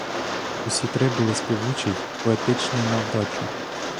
Усі три були співучі й поетичні на вдачу.